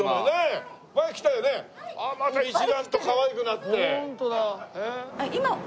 また一段とかわいくなって。